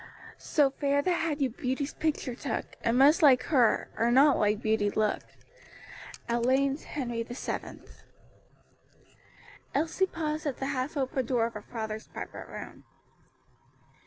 "So fair that had you beauty's picture took, It must like her, or not like beauty look." ALLEYN'S HENRY VII. Elsie paused at the half open door of her father's private room.